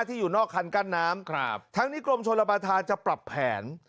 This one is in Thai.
ที่อยู่นอกคันกั้นน้ำครับทั้งนี้กรมชนประธานจะปรับแผน